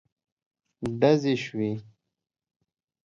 ډزې شوې.